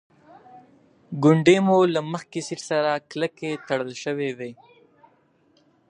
ګونډې مو له مخکې سیټ سره کلکې تړل شوې وې.